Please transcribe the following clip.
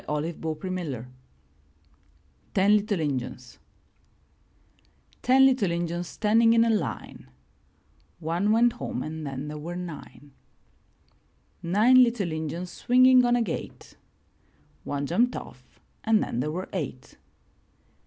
344 IN THE NURSERY TEN LITTLE INJUNS Ten little Injuns standing in a line — One went home and then there were nine. Nine little Injuns swinging on a gate — One jumped off and then there were eight.